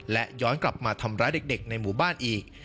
และย้อนกลับมาทำร้ายเด็กในหมู่บ้านอีก